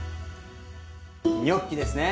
ニョッキですね。